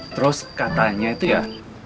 terus katanya itu ya